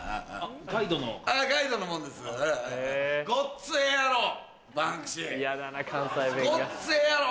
ごっつええやろ？